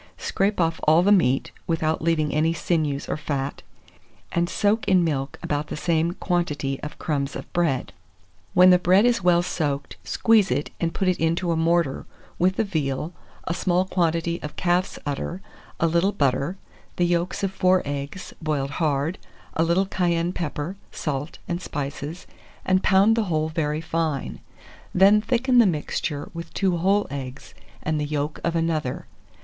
scrape off all the meat, without leaving any sinews or fat, and soak in milk about the same quantity of crumbs of bread. When the bread is well soaked, squeeze it, and put it into a mortar, with the veal, a small quantity of calf's udder, a little butter, the yolks of 4 eggs, boiled hard, a little cayenne pepper, salt, and spices, and pound the whole very fine; then thicken the mixture with 2 whole eggs, and the yolk of another.